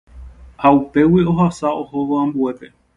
ha upégui ohasa ohóvo ambuépe.